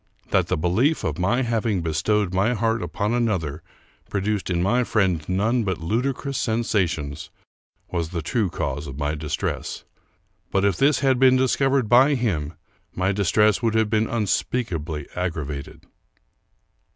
That the belief of my having bestowed my heart upon another produced in my friend none but ludicrous sen sations was the true cause of my distress ; but if this had been discovered by him my distress would have been un speakably aggravated.